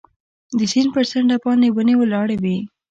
د سیند پر څنډه باندې ونې ولاړې وې.